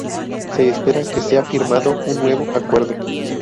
Se espera que sea firmado un nuevo acuerdo.